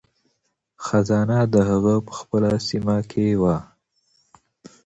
خزانه د هغه په خپله سیمه کې وه.